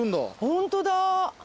ホントだ。